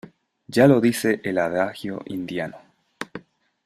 ya lo dice el adagio indiano: